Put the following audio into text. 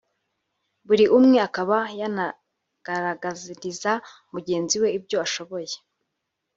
buri umwe akaba yanagaragariza mugenzi we ibyo ashoboye